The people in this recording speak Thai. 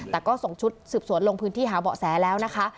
แต่ก็ส่งชุดสืบสวนลงพื้นที่หาเบาะแสแล้วนะคะ